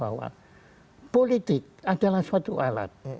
karena politik adalah suatu alat